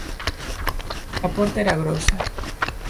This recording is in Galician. A porta era grosa.